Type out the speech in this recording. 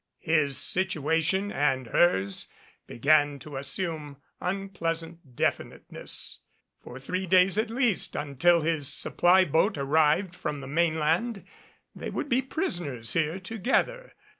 His situation and hers began to as sume unpleasant definiteness. For three days at least, until his supply boat arrived, from the mainland, they would be prisoners here together.